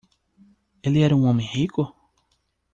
Ele era um homem rico?